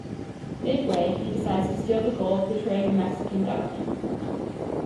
Midway, he decides to steal the gold, betraying the Mexican government.